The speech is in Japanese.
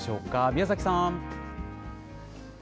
宮崎さん。